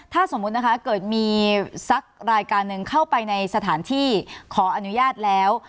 ถ้าสมมุติเกิดสักรายการเข้าไปในสถานที่ขออนุญาตแล้ว